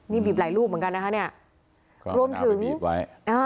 นี่บีบหลายรูปเหมือนกันนะคะเนี่ย